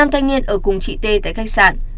năm thanh niên ở cùng chị t tại khách sạn